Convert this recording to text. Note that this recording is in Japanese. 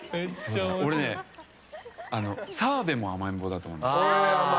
俺ね、澤部も甘えん坊だと思う。